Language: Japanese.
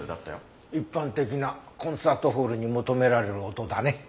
一般的なコンサートホールに求められる音だね。